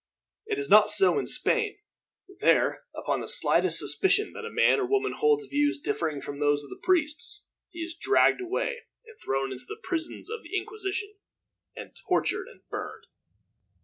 "It is not so in Spain. There, upon the slightest suspicion that a man or woman holds views differing from those of the priests, he is dragged away and thrown into the prisons of the Inquisition, and tortured and burned."